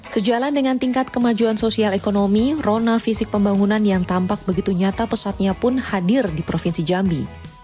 sejalan dengan tingkat kemajuan sosial ekonomi rona fisik pembangunan yang tampak begitu nyata pesatnya pun hadir di provinsi jambi